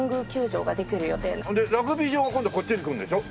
ほんでラグビー場が今度こっちにくるんでしょ？